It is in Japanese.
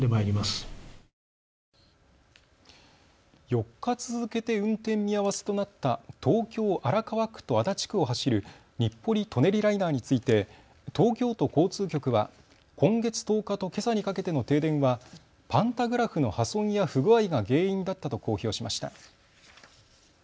４日続けて運転見合わせとなった東京荒川区と足立区を走る日暮里・舎人ライナーについて東京都交通局は今月１０日とけさにかけての停電はパンタグラフの破損や不具合が原因だったと公表しました。